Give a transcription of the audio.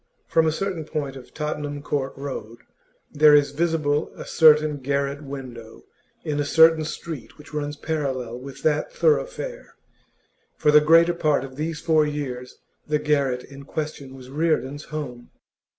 From a certain point of Tottenham Court Road there is visible a certain garret window in a certain street which runs parallel with that thoroughfare; for the greater part of these four years the garret in question was Reardon's home.